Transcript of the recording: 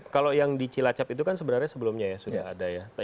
kalau yang di cilacap itu kan sebenarnya sebelumnya ya sudah ada ya